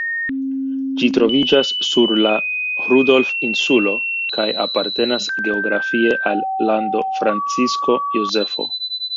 Ĝi troviĝas sur la Rudolf-insulo kaj apartenas geografie al Lando Francisko Jozefo.